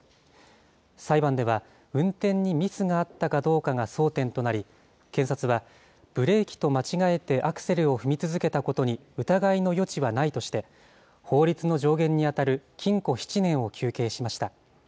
裁判では、運転にミスがあったかどうかが争点となり、検察は、ブレーキと間違えてアクセルを踏み続けたことに疑いの余地はないとして、法律の上限に当たる禁錮７年を求刑しました。